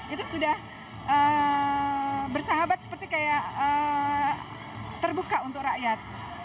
itu sudah bersahabat seperti kayak terbuka untuk rakyat